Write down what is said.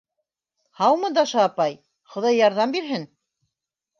— Һаумы, Даша апай, Хоҙай ярҙам бирһен!